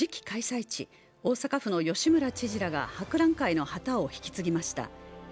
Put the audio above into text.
開催地、大阪府の吉村知事らが博覧会の旗を引き継ぎました。